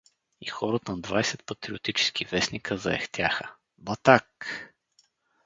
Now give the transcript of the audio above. И хорът на двайсет патриотически вестника заехтява: — Батак!